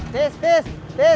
selamat tidak puasa